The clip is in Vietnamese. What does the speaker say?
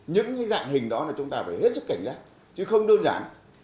những cái dạng hình đó là chúng ta phải hết sức cảnh giác chứ không đơn giản